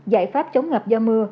giải pháp chống ngập do mưa